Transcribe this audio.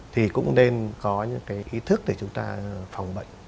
thì cũng nên có những cái ý thức để chúng ta phòng bệnh